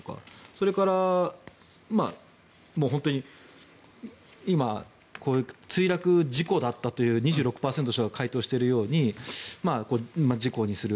それから、今こういう墜落事故だったという２６％の人が回答しているように事故にする。